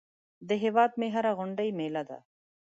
هیواد مې هره غونډۍ مېله ده